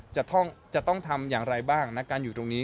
จะต้องทำอย่างไรบ้างนะการอยู่ตรงนี้